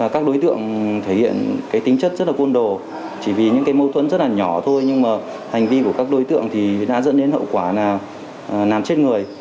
cái tính chất rất là cuôn đồ chỉ vì những mâu thuẫn rất là nhỏ thôi nhưng mà hành vi của các đối tượng thì đã dẫn đến hậu quả là nàm chết người